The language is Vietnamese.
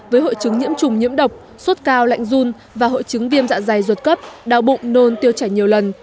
với hội chứng nhiễm trùng nhiễm độc suốt cao lạnh dùn và hội chứng viêm dạ dày ruột cấp đau bụng nôn tiêu chảy nhiều lần